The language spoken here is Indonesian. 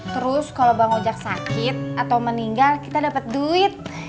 terus kalau bang ojek sakit atau meninggal kita dapat duit